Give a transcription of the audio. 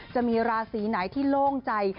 จะมีราศีไหนที่โล่งใจ